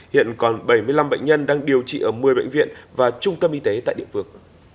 hiện còn bảy mươi năm bệnh nhân đang điều trị ở một mươi bệnh viện và trung tâm y tế tại địa phương